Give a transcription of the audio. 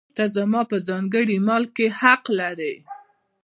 ته زما په ځانګړي مال کې حق لرې.